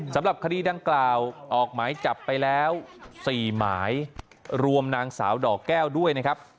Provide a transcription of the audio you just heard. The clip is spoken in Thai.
สำหรับคดีดังกล่าวออกหมายจับไปแล้ว๔หมายรวมนางสาวดอกแก้วด้วยนะครับ